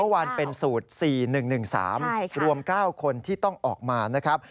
วันเป็นสูตร๔๑๑๓รวม๙คนที่ต้องออกมานะครับ